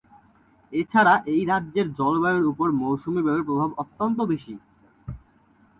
এছাড়া এই রাজ্যের জলবায়ুর উপর মৌসুমী বায়ুর প্রভাব অত্যন্ত বেশি।